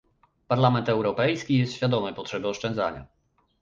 Parlament Europejski jest świadomy potrzeby oszczędzania